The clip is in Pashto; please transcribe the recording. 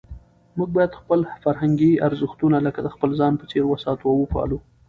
موږ باید خپل فرهنګي ارزښتونه لکه د خپل ځان په څېر وساتو او وپالو.